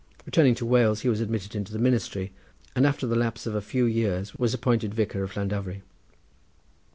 Returning to Wales he was admitted into the ministry, and after the lapse of a few years was appointed vicar of Llandovery.